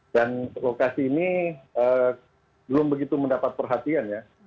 dan lokasi ini belum begitu mendapat perhatian ya